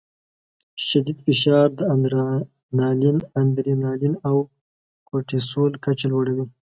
شدید فشار د اډرینالین او کورټیسول کچه لوړوي.